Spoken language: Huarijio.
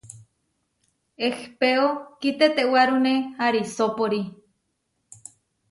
Ehpéo kitetewárune arisópori.